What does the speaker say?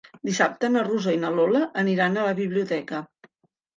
Dissabte na Rosó i na Lola aniran a la biblioteca.